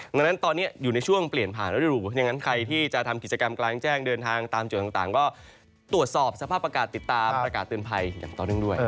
ดังนั้นตอนนี้อยู่ในช่วงเปลี่ยนผ่านฤดูเพราะฉะนั้นใครที่จะทำกิจกรรมกลางแจ้งเดินทางตามจุดต่างก็ตรวจสอบสภาพอากาศติดตามประกาศเตือนภัยอย่างต่อเนื่องด้วย